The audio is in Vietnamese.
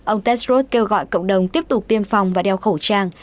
ông tedshrod kêu gọi cộng đồng tiếp tục tiêm phòng và đeo khẩu trang